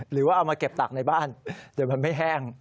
หรือว่าเอามาเก็บตักในบ้านแต่มันไม่แห้ง